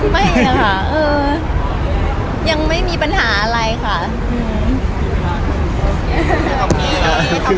ไม่ค่ะเออยังไม่มีปัญหาอะไรค่ะโอเคขอบคุณค่ะขอบคุณค่ะ